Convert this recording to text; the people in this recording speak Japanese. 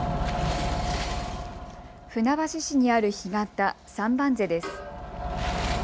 船橋市にある干潟、三番瀬です。